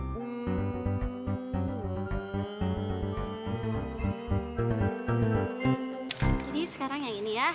jadi sekarang yang ini ya